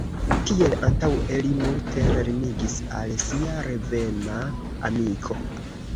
Kiel antaŭe, li multe lernigis al sia revema amiko.